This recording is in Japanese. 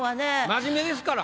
真面目ですから。